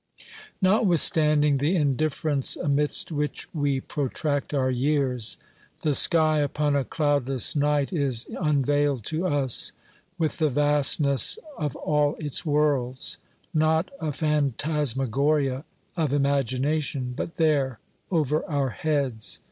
Notwithstanding the indifference amidst which we pro tract our years, the sky upon a cloudless night is unveiled to us with the vastness of all its worlds, not a phantasma goria of imagination, but there over our heads.